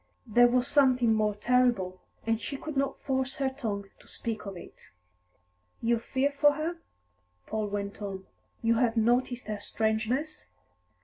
There was something more terrible, and she could not force her tongue to speak of it. "You fear for her?" Paul went on. "You have noticed her strangeness?"